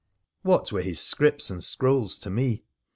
What were his scrips and scrolls to me